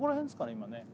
今ね